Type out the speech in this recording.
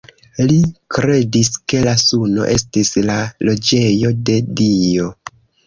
Li kredis ke la suno estis la loĝejo de Dio.